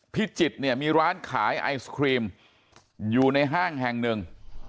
พิจิตรเนี่ยมีร้านขายไอศครีมอยู่ในห้างแห่งหนึ่ง